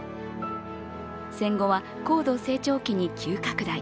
戦後は高度成長期に急拡大。